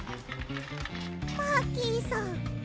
マーキーさん。